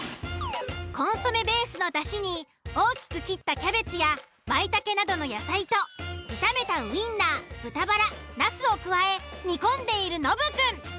コンソメベースのだしに大きく切ったキャベツやマイタケなどの野菜と炒めたウインナー・豚バラナスを加え煮込んでいるノブくん。